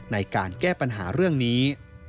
ในการแก้ปัญหาเรื่องนี้